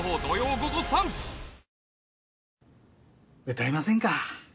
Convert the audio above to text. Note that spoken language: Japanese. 歌いませんか？